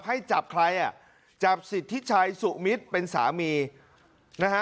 ให้จับใครอ่ะจับสิทธิชัยสุมิตรเป็นสามีนะฮะ